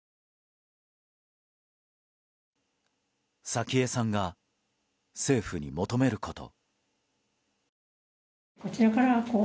早紀江さんが政府に求めること。